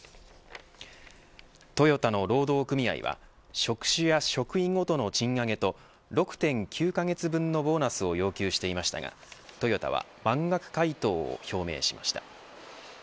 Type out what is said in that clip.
トヨタの労働組合は職種や職位ごとの賃上げと６．９カ月分のボーナスを要求していましたがトヨタは満額回答を表明しました。